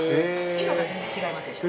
色が全然違いますでしょ